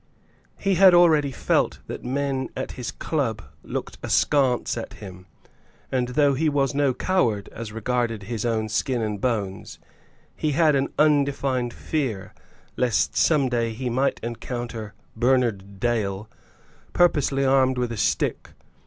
He had already felt that men at his club looked askance at him; and, though he was no coward as regarded his own skin and bones, he had an undefined fear lest some day he might encounter Bernard Dale purposely armed with a stick.